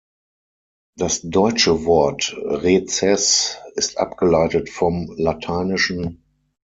Das deutsche Wort Rezess ist abgeleitet vom lat.